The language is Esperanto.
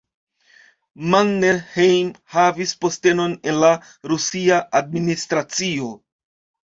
Mannerheim havis postenon en la rusia administracio.